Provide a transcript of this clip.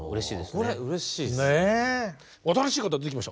これうれしいっす。